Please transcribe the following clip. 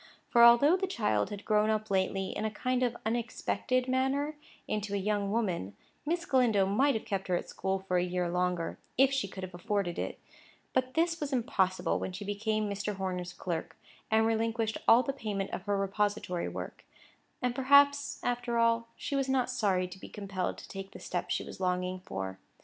For, although the child had grown up lately, in a kind of unexpected manner, into a young woman, Miss Galindo might have kept her at school for a year longer, if she could have afforded it; but this was impossible when she became Mr. Horner's clerk, and relinquished all the payment of her repository work; and perhaps, after all, she was not sorry to be compelled to take the step she was longing for.